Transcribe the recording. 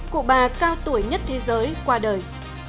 cụ bà cao tuổi nhất thế giới qua đời